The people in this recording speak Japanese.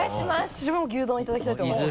自分も牛丼いただきたいと思います。